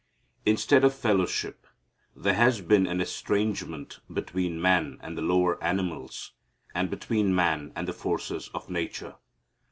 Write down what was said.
Instead of fellowship there has been an estrangement between man and the lower animals and between man and the forces of nature.